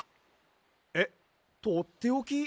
えっとっておき？